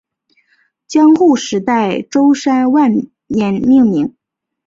江户时代舟山万年命名。